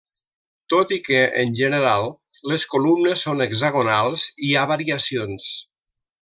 Tot i que, en general, les columnes són hexagonals, hi ha variacions.